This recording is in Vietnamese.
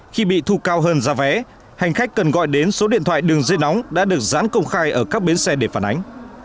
khi bị thu cao hơn giá vé hành khách cần gọi đến số điện thoại đường dây nóng đã được giãn công khai ở các bến xe để phản ánh